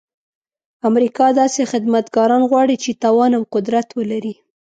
امریکا داسې خدمتګاران غواړي چې توان او قدرت ولري.